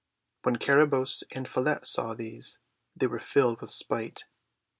\Vhen Carabosse and Follette saw these they were filled with spite.